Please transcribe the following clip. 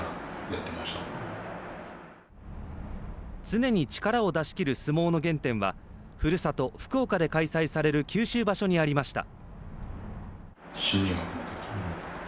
常に力を出し切る相撲の原点はふるさと福岡で開催される九州場所にありました。